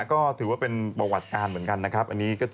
ก็ถือว่าเป็นประวัติการเหมือนกันนะครับ